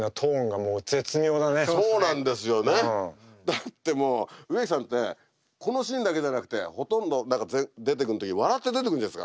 だってもう植木さんってこのシーンだけじゃなくてほとんど出てくる時笑って出てくるんですから。